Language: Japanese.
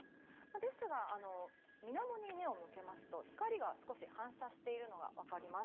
ですが、水面に目を向けますと光が少し反射しているのが分かります。